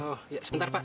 oh ya sebentar pak